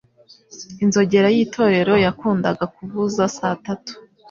Inzogera yitorero yakundaga kuvuza saa tatu.